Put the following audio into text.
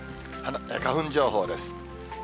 花粉情報です。